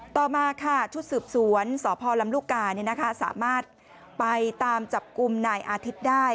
ต่อมาค่ะชุดสืบสวนสพลำลูกกาสามารถไปตามจับกลุ่มนายอาทิตย์ได้